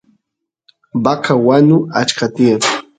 vaca wanu achka tiyan